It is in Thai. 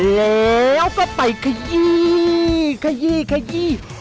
แล้วก็ไปขยี้ขยี้ขยี้